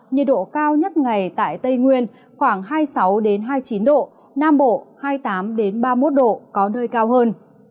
nhiệt độ cao nhất ngày tại tây nguyên khoảng hai mươi sáu hai mươi chín độ nam bộ hai mươi tám ba mươi một độ có nơi cao hơn